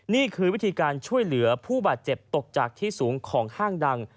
นี่คือวิธีการช่วยเหลือผู้บาดเจ็บตกจากที่สูงของห้างดัง